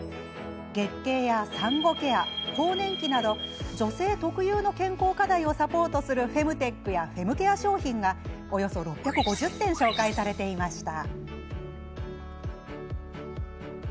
月経や産後ケア、更年期など女性特有の健康課題をサポートするフェムテックやフェムケア商品がおよそ６５０点紹介されていました。